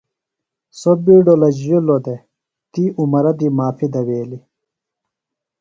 سو بیڈو لجِجِلوۡ دےۡ تی عمرہ دی معافیۡ دویلیۡ۔ عمرہ